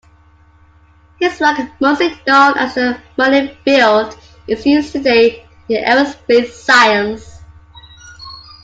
His work, mostly known as the Manev field, is used today in aerospace science.